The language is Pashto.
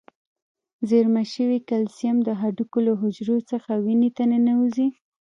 زیرمه شوي کلسیم د هډوکو له حجرو څخه وینې ته ننوزي.